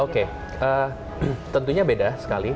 oke tentunya beda sekali